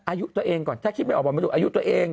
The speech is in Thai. อายุตัวเองก่อนถ้าคิดไม่ออกบอกมาดูอายุตัวเอง